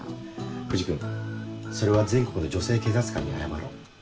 藤君それは全国の女性警察官に謝ろう。